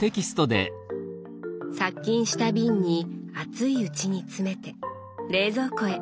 殺菌した瓶に熱いうちに詰めて冷蔵庫へ。